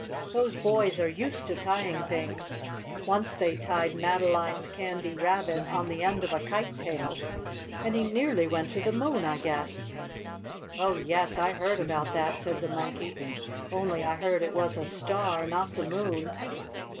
"Those boys are used to tying things. Once they tied Madeline's Candy Rabbit on the end of a kite tail, and he nearly went to the moon, I guess." "Oh, yes, I heard about that," said the Monkey. "Only I heard it was a star, not the moon."